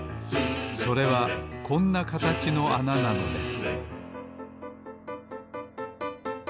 それはこんなかたちのあななのです